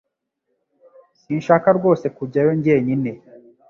Sinshaka rwose kujyayo jyenyine